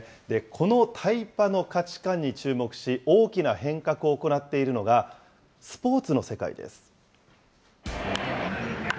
このタイパの価値観に注目し、大きな変革を行っているのが、スポーツの世界です。